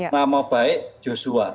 nama baik joshua